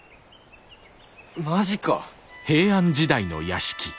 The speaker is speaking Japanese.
マジか。